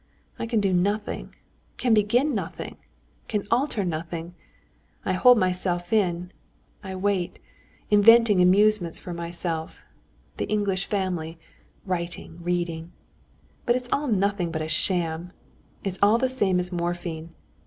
I can do nothing, can begin nothing, can alter nothing; I hold myself in, I wait, inventing amusements for myself—the English family, writing, reading—but it's all nothing but a sham, it's all the same as morphine.